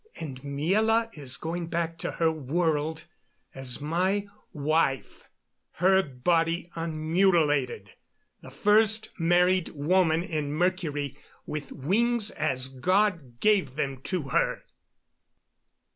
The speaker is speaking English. "And Miela is going back to her world as my wife her body unmutilated the first married woman in Mercury with wings as God gave them to her!"